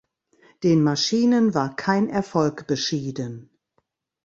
Den Maschinen war kein Erfolg beschieden.